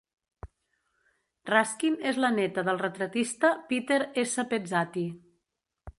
Raskin és la neta del retratista Peter S. Pezzati.